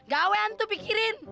gawain tuh pikirin